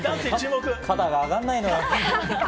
肩が上がんないのよ。